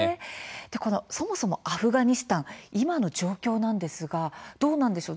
そもそもアフガニスタン今の状況なんですがどうなんでしょう。